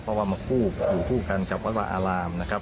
เพราะว่ามาคู่อยู่คู่กันกับวัดวาอารามนะครับ